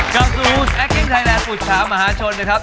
กลับสู่แอคกิ้นไทยแลนดอุตสามหาชนนะครับ